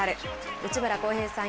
内村航平さん